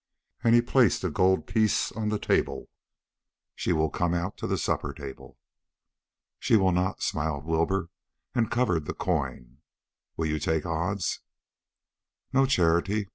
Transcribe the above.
'" And he placed a gold piece on the table. "She will come out to the supper table." "She will not," smiled Wilbur, and covered the coin. "Will you take odds?" "No charity.